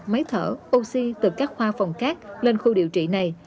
máy thở oxy từ các khoa phòng khác lên khu điều trị này